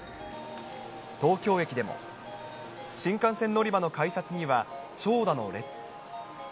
東京駅でも、新幹線乗り場の改札には長蛇の列。